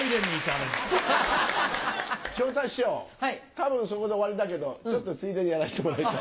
多分そこで終わりだけどちょっとついでにやらせてもらいたい。